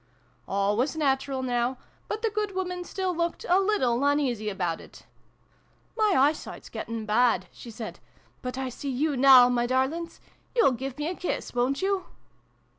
All was natural, now ; but the good woman still looked a little uneasy about it. " My eyesight's getting bad," she said, "but I see you now, my darlings ! You'll give me a kiss, wo'n't you